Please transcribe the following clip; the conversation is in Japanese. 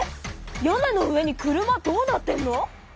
屋根の上に車どうなってんの？